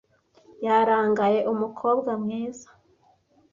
Yarangaye umukobwa mwiza.